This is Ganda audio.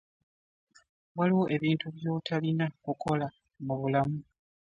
Waliwo ebintu byotalina kukola mu bulamu.